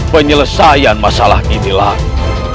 penyelesaian masalah ini lagi